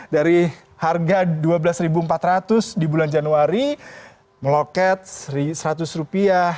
dari harga dua belas empat ratus di bulan januari meloket seratus rupiah